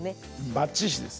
バッチシです。